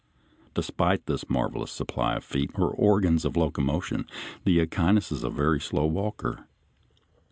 Despite this marvelous supply of feet, or organs of locomotion, the Echinus is a very slow walker.